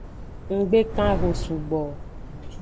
Nggbe kan eho sugbo o.